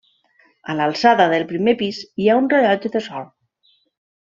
A l'alçada del primer pis hi ha un rellotge de sol.